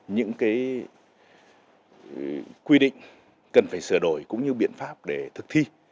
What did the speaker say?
những cái quy định cần phải sửa đổi cũng như biện pháp để thực thi